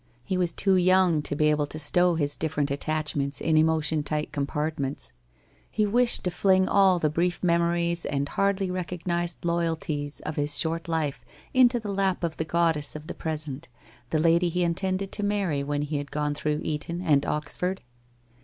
He was too young to be able to stow his different attachments in emotion tight compartments. He wished to fling all the brief memories and hardly recognised loyalties of his short life into the lap of the goddess of the present, the lady he intended to marry when he had gone through Eton and Oxford.